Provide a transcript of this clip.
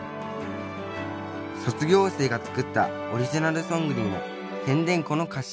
卒業生が作ったオリジナルソングにも「てんでんこ」の歌詞